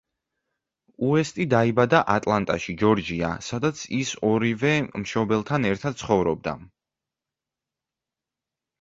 უესტი დაიბადა ატლანტაში, ჯორჯია, სადაც ის ორივე მშობელთან ერთად ცხოვრობდა.